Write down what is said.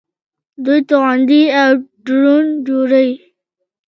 دوی توغندي او ډرون جوړوي.